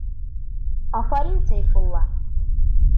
Афарин, Сәйфулла!